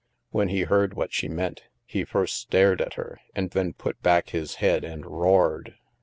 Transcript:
When he heard what she meant, he first stared at her and then put back his head and roared.